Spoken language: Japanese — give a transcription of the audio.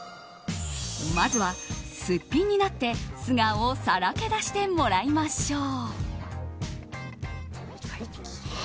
まずは、すっぴんになって素顔をさらけ出してもらいましょう。